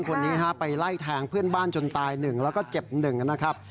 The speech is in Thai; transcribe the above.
คนนี้ไปไล่แทงเพื่อนบ้านจนตาย๑แล้วก็เจ็บ๑นะครับ